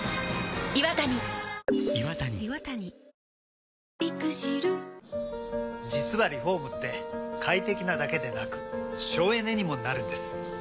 ただ、中国だけでなく、実はリフォームって快適なだけでなく省エネにもなるんです。